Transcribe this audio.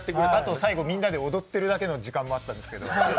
最後みんなで踊ってるだけの時間もあったんですけど。